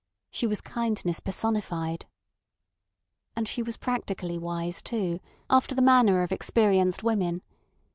She was kindness personified. And she was practically wise too, after the manner of experienced women.